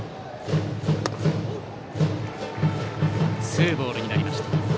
ツーボールになりました。